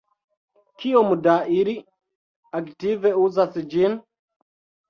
Kiom da ili aktive uzas ĝin?